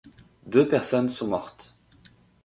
Deux personnes sont mortes.